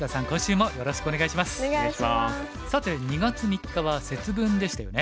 さて２月３日は節分でしたよね。